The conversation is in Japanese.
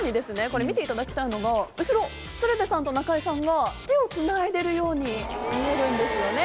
これ見ていただきたいのが後ろ鶴瓶さんと中居さんが手をつないでるように見えるんですよね。